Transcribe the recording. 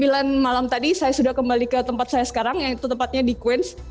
pukul sembilan malam tadi saya sudah kembali ke tempat saya sekarang yaitu tempatnya di queens